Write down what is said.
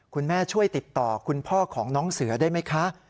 คุณแม่ช่วยติดต่อคุณพ่อของน้องเสือได้ไหมคะ